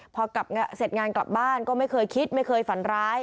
พอเสร็จงานกลับบ้านก็ไม่เคยคิดไม่เคยฝันร้าย